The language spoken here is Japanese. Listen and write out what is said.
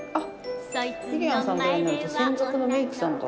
ゆりやんさんぐらいになると専属のメイクさんが。